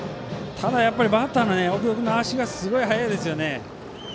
ただ、バッターの大城戸君の足がすごい速いですよね。